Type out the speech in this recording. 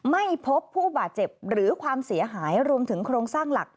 ไม่พบผู้บาดเจ็บหรือความเสียหายรวมถึงโครงสร้างหลัก